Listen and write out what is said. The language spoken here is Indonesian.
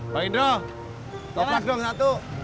pak indro toples dong satu